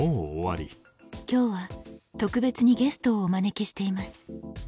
今日は特別にゲストをお招きしています。